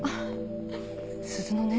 鈴乃ね